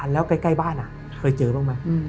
อ่าแล้วใกล้บ้านอ่ะเคยเจอบ้างมั้ย